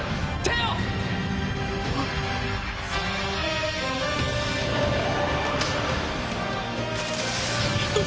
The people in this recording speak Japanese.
あっ。